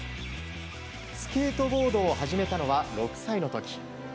スケートボードを始めたのは６歳の時。